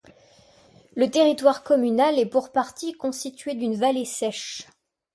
Le territoire communal est pour partie constituée d'une vallée sèche.